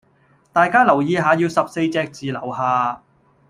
大家留意下要十四隻字樓下